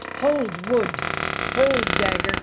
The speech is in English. ' Hold wood ! Hold dagger